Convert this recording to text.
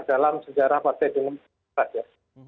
dalam sejarah partai dengan pemirsa ya